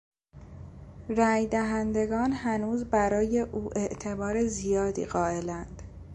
رای دهندگان هنوز برای او اعتبار زیادی قائلاند.